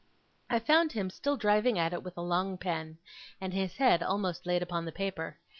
I found him still driving at it with a long pen, and his head almost laid upon the paper.